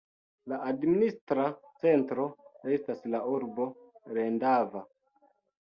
La administra centro estas la urbo Lendava.